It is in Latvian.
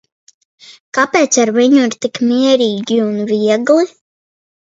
Kāpēc ar viņu ir tik mierīgi un viegli?